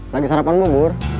lagi sarapan dibur